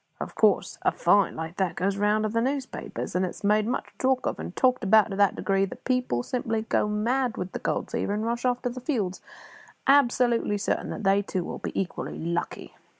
Of course, a `find' like that goes the rounds of the newspapers, and is made much of and talked about to that degree that people simply go mad with the gold fever, and rush off to the fields, absolutely certain that they, too, will be equally lucky."